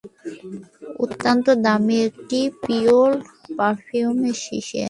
অত্যন্ত দামী একটি পিওর পারফিউমের শিশি।